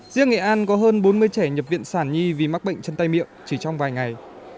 riêng nghệ an có hơn bốn mươi trẻ nhập viện sản nhi vì mắc bệnh chân tay miệng chỉ trong vài ngày